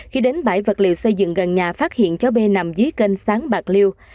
khi đến bãi vật liệu xây dựng gần nhà phát hiện cháu b nằm dưới kênh sáng bạc liêu